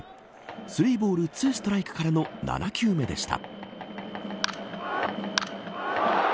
３ボール２ストライクからの７球目でした。